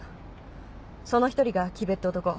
その一人が岐部って男。